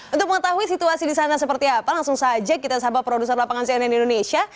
untuk mengetahui situasi di sana seperti apa langsung saja kita sapa produser lapangan cnn indonesia